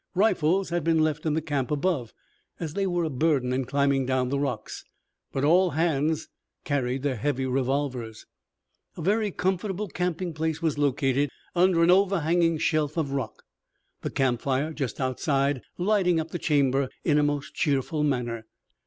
Rifles had been left in the camp above, as they were a burden in climbing down the rocks. But all hands carried their heavy revolvers. A very comfortable camping place was located Under an overhanging shelf of rock, the camp fire just outside lighting up the chamber in a most cheerful manner.